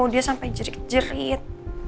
dia sampai jerit jerit